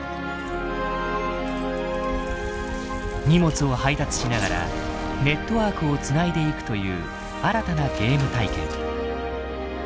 荷物を配達しながらネットワークを繋いでいくという新たなゲーム体験。